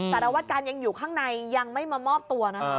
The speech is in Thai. สารวัตการยังอยู่ข้างในยังไม่มามอบตัวนะ